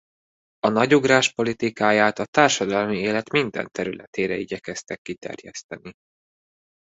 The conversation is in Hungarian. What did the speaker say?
A nagy ugrás politikáját a társadalmi élet minden területére igyekeztek kiterjeszteni.